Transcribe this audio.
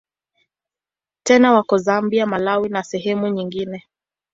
Tena wako Zambia, Malawi na sehemu nyingine.